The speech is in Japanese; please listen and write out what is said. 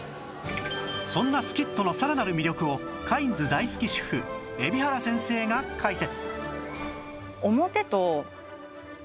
そんな Ｓｋｉｔｔｏ のさらなる魅力をカインズ大好き主婦海老原先生が解説